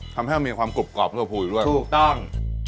ทำให้มันมีความกรุบกรอบนัวพูอยู่ด้วยถูกต้อง